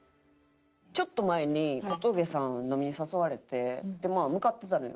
ちょっと前に小峠さんに飲みに誘われてまあ向かってたのよ。